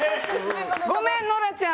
ごめんノラちゃん。